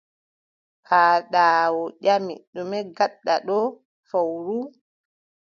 Paaɗaawu ƴami: ɗume ngaɗɗa ɗo fowru?